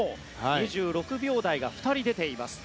２６秒台が２人出ています。